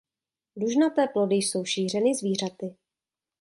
Dužnaté plody jsou šířeny zvířaty.